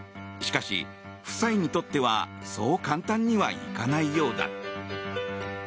しかし、夫妻にとってはそう簡単にはいかないようだ。